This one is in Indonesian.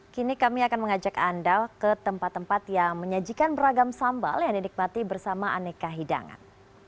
kini kami akan mengajak anda ke tempat tempat yang menyajikan beragam sambal yang dinikmati bersama aneka hidangan